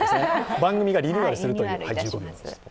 番組がリニューアルするという１５秒でした。